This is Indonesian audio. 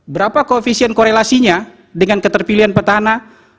berapa koefisien korelasinya dengan keterpilihan petahana